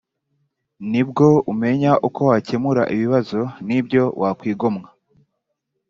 ni bwo umenya uko wakemura ibibazo n ibyo wakwigomwa